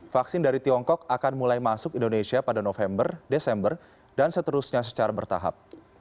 vaksin dari tiongkok akan mulai masuk indonesia pada november desember dan seterusnya secara bertahap